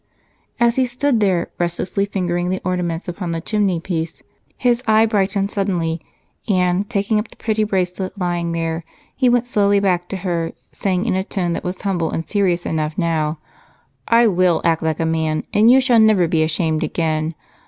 As he stood there, restlessly fingering the ornaments upon the chimneypiece, his eye brightened suddenly and, taking up the pretty bracelet lying there, he went slowly back to her, saying in a tone that was humble and serious enough now: "I will act like a man, and you shall never be ashamed again.